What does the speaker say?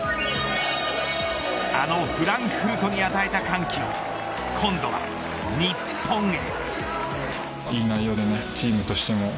あのフランクフルトに与えた歓喜を今度は日本へ。